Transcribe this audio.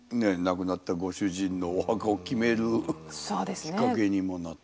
亡くなったご主人のお墓を決めるきっかけにもなったっていう。